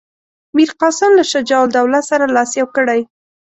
میرقاسم له شجاع الدوله سره لاس یو کړی.